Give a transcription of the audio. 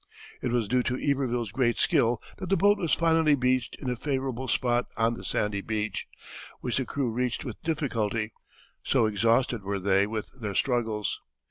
It was due to Iberville's great skill that the boat was finally beached in a favorable spot on the sandy beach, which the crew reached with difficulty, so exhausted were they with their struggles.